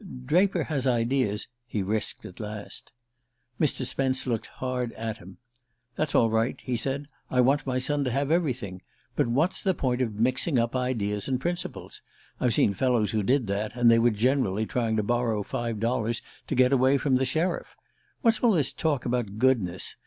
"Draper has ideas " he risked at last. Mr. Spence looked hard at him. "That's all right," he said. "I want my son to have everything. But what's the point of mixing up ideas and principles? I've seen fellows who did that, and they were generally trying to borrow five dollars to get away from the sheriff. What's all this talk about goodness?